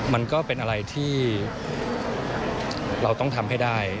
มันก็เป็นอะไรที่เราต้องทำให้ได้